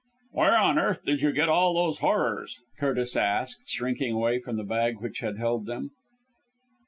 "Where on earth did you get all those horrors?" Curtis asked, shrinking away from the bag which had held them.